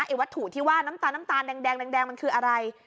ไอ้วัตถุที่ว่าน้ำตาลแดงมันคืออะไร